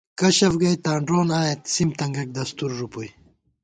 کشَف گئیتاں ڈرون آئیت، سِم تنگَئیک دستُور ݫُوپُوئی